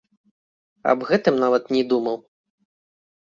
Аб гэтым нават не думаў.